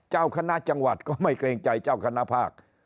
เจ้าคณะจังหวัดก็ไม่เกรงใจเจ้าคณะภาค